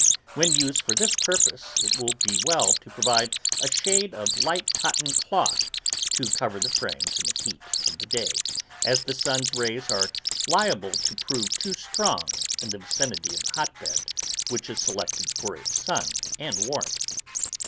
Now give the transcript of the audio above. When used for this purpose, it will be well to provide a shade of light cotton cloth to cover the frames in the heat of the day, as the sun's rays are liable to prove too strong in the vicinity of the hotbed, which is selected for its sun and warmth.